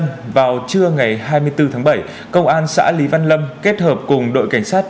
hôm nay hai mươi bốn tháng bảy công an xã lý văn lâm kết hợp cùng đội cảnh sát